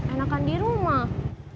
enakan di rumah